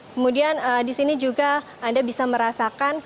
kemudian di sini juga anda bisa merasakan